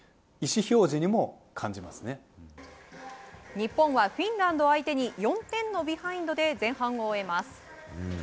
日本はフィンランド相手に４点のビハインドで前半を終えます。